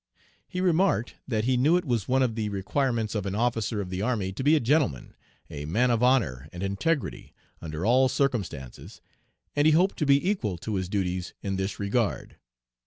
He remarked that he knew it was one of the requirements of an officer of the army to be a gentleman, a man of honor and integrity under all circumstances, and he hoped to be equal to his duties in this regard.